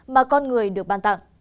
mà con người được ban tặng